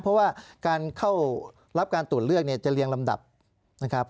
เพราะว่าการเข้ารับการตรวจเลือกเนี่ยจะเรียงลำดับนะครับ